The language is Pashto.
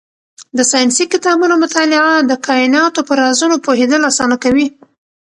د ساینسي کتابونو مطالعه د کایناتو په رازونو پوهېدل اسانه کوي.